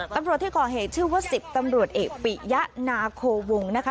ตำรวจที่ก่อเหตุชื่อว่า๑๐ตำรวจเอกปิยะนาโควงนะคะ